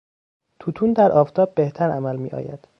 توتون در آفتاب بهتر عمل میآید.